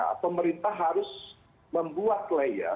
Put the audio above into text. ya pemerintah harus membuat layar